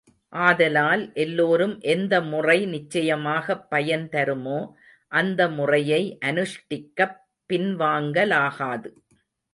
ஆதலால் எல்லோரும் எந்த முறை நிச்சயமாகப் பயன் தருமோ, அந்த முறையை அனுஷ்டிக்கப் பின்வாங்கலாகாது.